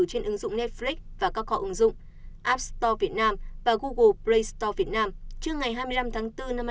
trên ứng dụng netflix và các kho ứng dụng app store việt nam và google play store việt nam trước ngày hai mươi năm tháng bốn năm hai nghìn hai mươi